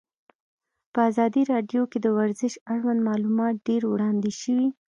په ازادي راډیو کې د ورزش اړوند معلومات ډېر وړاندې شوي.